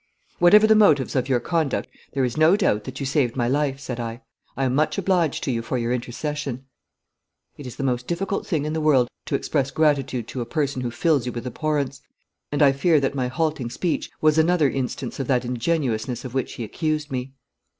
'Whatever the motives of your conduct, there is no doubt that you saved my life,' said I. 'I am much obliged to you for your intercession.' It is the most difficult thing in the world to express gratitude to a person who fills you with abhorrence, and I fear that my halting speech was another instance of that ingenuousness of which he accused me.